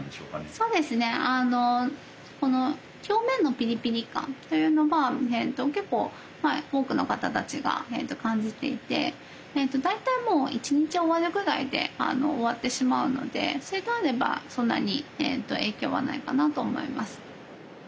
そうですね表面のピリピリ感というのは結構多くの方たちが感じていて大体１日終わるぐらいで終わってしまうのでそれであればそんなに影響はないかなと思います。